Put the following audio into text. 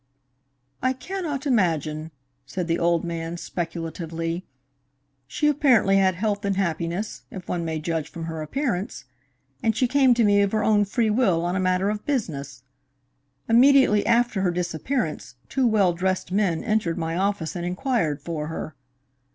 "I cannot imagine," said the old man speculatively. "She apparently had health and happiness, if one may judge from her appearance, and she came to me of her own free will on a matter of business. Immediately after her disappearance, two well dressed men entered my office and inquired for her.